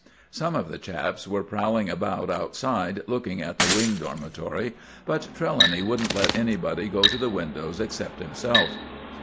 Some of the chaps were prowling about outside looking at the Wing Dormitory, but Trelawny wouldn't let anybody go to the windows except himself.